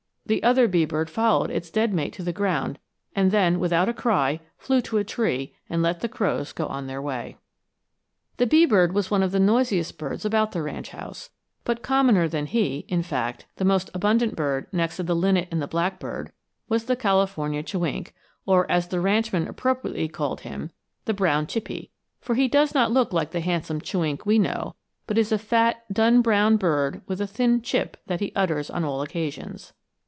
The other bee bird followed its dead mate to the ground, and then, without a cry, flew to a tree and let the crows go on their way. The bee bird was one of the noisiest birds about the ranch house, but commoner than he; in fact, the most abundant bird, next to the linnet and blackbird, was the California chewink, or, as the ranchman appropriately called him, the 'brown chippie;' for he does not look like the handsome chewink we know, but is a fat, dun brown bird with a thin chip that he utters on all occasions.